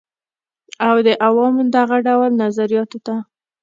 او د عوامو دغه ډول نظریاتو ته